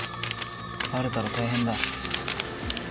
バレたら大変だ。